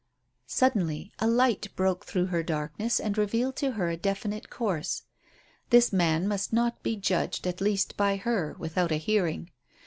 Suddenly a light broke through her darkness and revealed to her a definite course. This man must not be judged, at least by her, without a hearing.